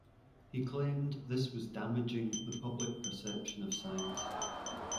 He claimed this was damaging the public perception of science.